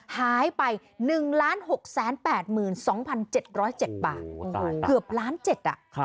หายไป๑๖๘๒๗๐๗บาทเกือบ๑๗๐๐๐๐๐บาท